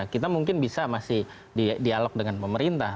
kita mungkin bisa masih dialog dengan pemerintah